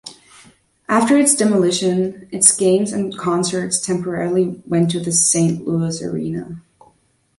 After its demolition, its games and concerts temporarily went to the Saint Louis Arena.